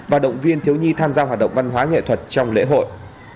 và động viên thiếu nhi tham gia hoạt động văn hóa nghệ thuật trong lễ hội